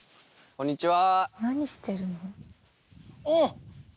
こんにちは！